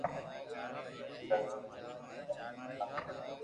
درزي ھوئين ھمو ھون ڪاوُ ڪرو